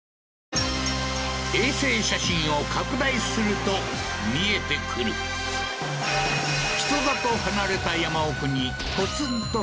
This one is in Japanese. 衛星写真を拡大すると見えてくる人里離れた